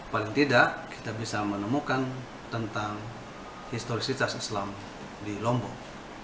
paling tidak kita bisa menemukan tentang historisitas islam di lombok